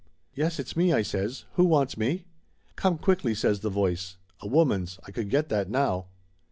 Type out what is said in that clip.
"Yes, it's me!" I says. "Who wants me?" "Come quickly!" says the voice. A woman's, I could get that now.